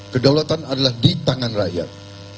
kedaulatan adalah di tangan rakyat